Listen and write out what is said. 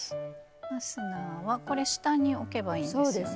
ファスナーはこれ下に置けばいいんですね？